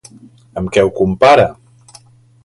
Amb què ho compara?